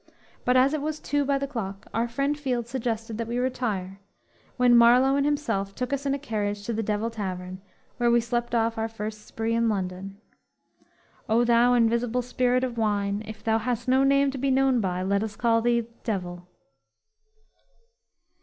But as it was two by the clock, our friend Field suggested that we retire, when Marlow and himself took us in a carriage to the Devil Tavern, where we slept off our first spree in London. _"O thou invisible spirit of wine, If thou hast no name to be known by, Let us call thee Devil!"